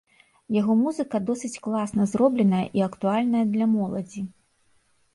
Яго музыка досыць класна зробленая і актуальная для моладзі.